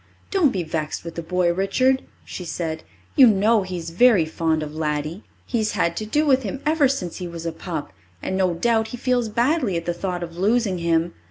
"Don't be vexed with the boy, Richard," she said. "You know he is very fond of Laddie. He's had to do with him ever since he was a pup, and no doubt he feels badly at the thought of losing him.